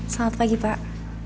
selamat pagi pak